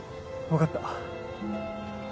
わかった。